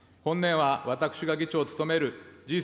本年は私が議長を務めるＧ７